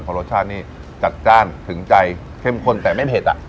เพราะรสชาตินี่จัดจ้านถึงใจเข้มข้นแต่ไม่เผ็ดอ่ะ